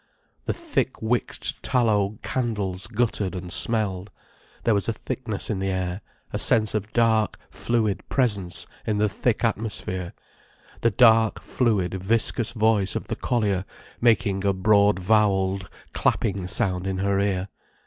The thick wicked tallow candles guttered and smelled. There was a thickness in the air, a sense of dark, fluid presence in the thick atmosphere, the dark, fluid, viscous voice of the collier making a broad vowelled, clapping sound in her ear.